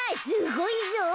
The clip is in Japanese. すごいぞ。